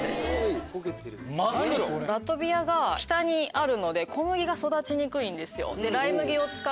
ラトビアが北にあるので小麦が育ちにくいんですよ。